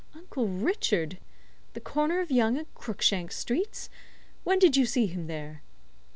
"Uncle Richard! The corner of Yonge and Crookshank Streets! When did you see him there?"